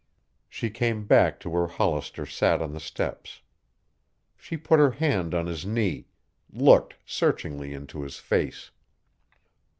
She came back to where Hollister sat on the steps. She put her hand on his knee, looked searchingly into his face.